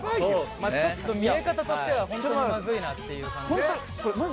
まあちょっと見え方としてはホントにマズいなっていう感じ